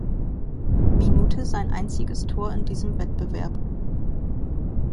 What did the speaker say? Minute sein einziges Tor in diesem Wettbewerb.